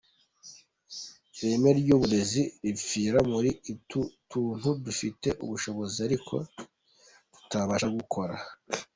Ireme ry’uburezi ripfira muri utu tuntu dufitiye ubushobozi ariko tutabasha gukora.